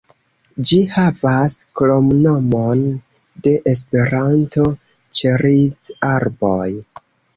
Ĝi havas kromnomon de Esperanto, "Ĉeriz-arboj".